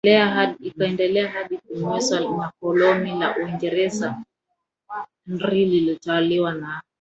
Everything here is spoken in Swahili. ikaendelea hadi kumezwa na koloni la Uingereza Nri ilitawaliwa na